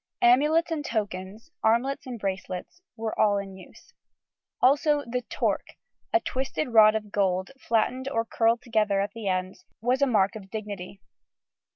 Amulets and tokens, armlets and bracelets were all in use. Also the torque, a twisted rod of gold flattened or curled together at the ends, was a mark of dignity.